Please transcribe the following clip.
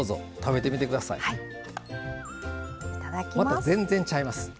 また全然ちゃいます。